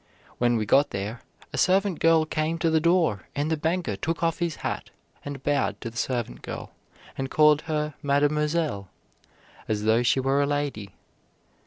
When we got there, a servant girl came to the door, and the banker took off his hat, and bowed to the servant girl, and called her mademoiselle, as though she were a lady.